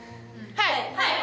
はい！